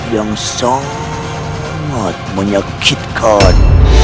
yang sangat menyakitkan